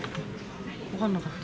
分かんなかった。